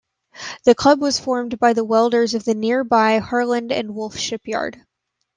The club was formed by the welders of the nearby Harland and Wolff shipyard.